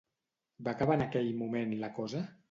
Va acabar en aquell moment la cosa?